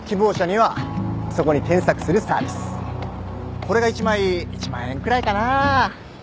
これが１枚１万円くらいかな。